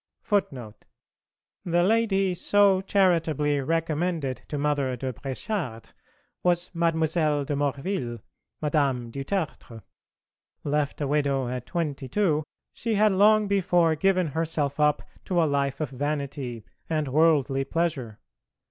FOOTNOTE: [A] The lady so charitably recommended to Mother de Bréchard was Mademoiselle de Morville (Madame du Tertre). Left a widow at twenty two, she had long before given herself up to a life of vanity and worldly pleasure.